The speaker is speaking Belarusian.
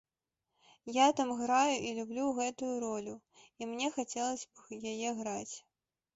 Я там граю і люблю гэтую ролю, і мне хацелася б яе граць.